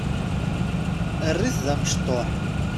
Err-it d amecṭuḥ.